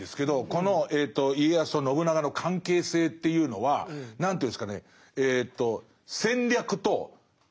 この家康と信長の関係性というのは何ていうんですかね